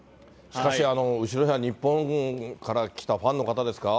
しかし、後ろには日本から来たファンの方ですか？